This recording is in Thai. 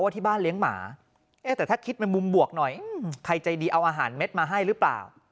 แต่ถ้าคิดมุมบวกหน่อยใครใจดีเอาอาหารเม็ดมาให้หรือเปล่า